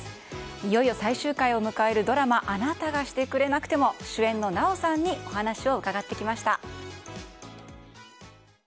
いよいよ最終回を迎えるドラマ「あなたがしてくれなくても」。主演の奈緒さんにお話を伺ってきました。